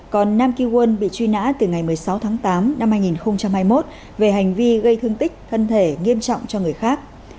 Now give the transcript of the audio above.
còn nam keo quân bị truy nã từ ngày một mươi sáu tháng tám năm hai nghìn hai mươi một về hành vi gây thương tích thân thể nghiêm trọng cho người khác